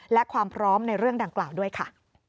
และความพร้อมในเรื่องดังกล่าวด้วยค่ะ